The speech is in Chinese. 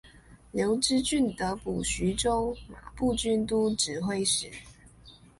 刘知俊得补徐州马步军都指挥使。